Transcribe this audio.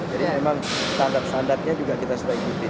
jadi memang standar standarnya juga kita sudah ikuti